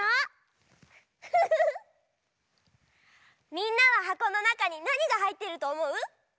みんなははこのなかになにがはいってるとおもう？